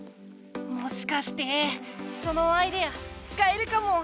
もしかしてそのアイデアつかえるかも。